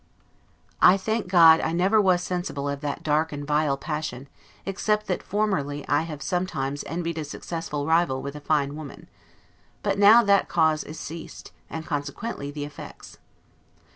I thank God, I never was sensible of that dark and vile passion, except that formerly I have sometimes envied a successful rival with a fine woman. But now that cause is ceased, and consequently the effects.